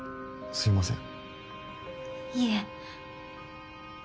すみません。